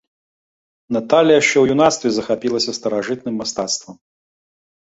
Наталля яшчэ ў юнацтве захапілася старажытным мастацтвам.